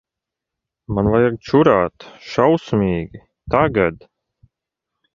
Man vajag čurāt. Šausmīgi. Tagad.